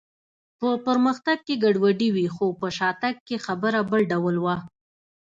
په پرمختګ کې ګډوډي وي، خو په شاتګ کې خبره بل ډول وه.